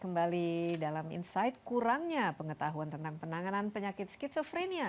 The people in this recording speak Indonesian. kembali dalam insight kurangnya pengetahuan tentang penanganan penyakit skizofrenia